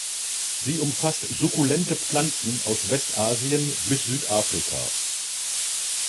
Sie umfasst sukkulente Pflanzen aus West-Asien bis Südafrika.